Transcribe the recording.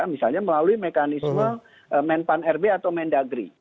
misalnya melalui mekanisme men pan rb atau men dagri